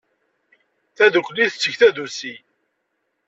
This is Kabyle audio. Tadukli tetteg tadusi.